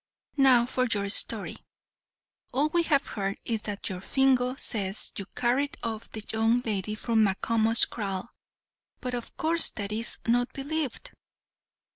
Now for your story: all we have heard is that your Fingo says you carried off the young lady from Macomo's kraal, but, of course, that is not believed."